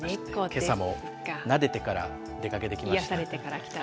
けさもなでてから出かけてきました。